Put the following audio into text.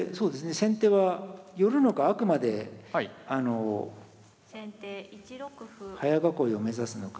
先手は寄るのがあくまで早囲いを目指すのか。